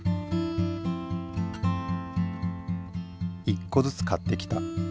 １個ずつ買ってきた。